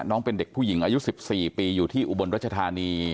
น้องเป็นเด็กผู้หญิงอายุ๑๔ปีอยู่ที่อุบลรัชธานี